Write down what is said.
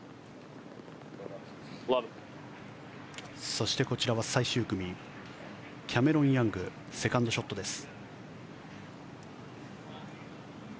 そして、こちらは最終組キャメロン・ヤングセカンドショットです。